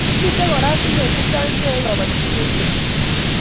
Mito oratinwek chechang' che yae kabatishet ko tonon